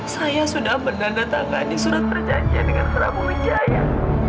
saya sudah menandatangani surat perjanjian dengan prabu wijaya